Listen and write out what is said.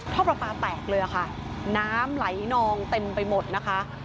ท่อประปาแตกเลยค่ะน้ำไหลนองเต็มไปหมดนะคะ